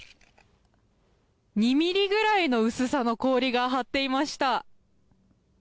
２ｍｍぐらいの薄さの氷が張っていました。